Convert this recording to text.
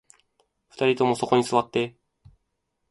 二人ともそこに座って